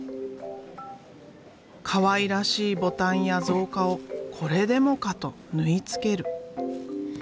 かわいらしいボタンや造花をこれでもかと縫い付ける。